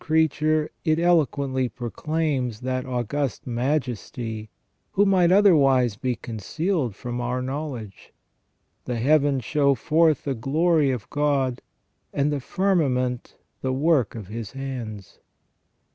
6i creature it eloquently proclaims that August Majesty who might otherwise be concealed from our knowledge. The heavens show forth the glory of God; and the firmament the work of His hands."